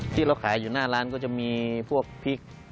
ที่เราขายอยู่หน้าร้านก็จะมีพวกพริก